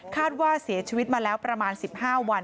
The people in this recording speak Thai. ว่าเสียชีวิตมาแล้วประมาณ๑๕วัน